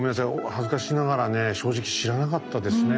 恥ずかしながらね正直知らなかったですね。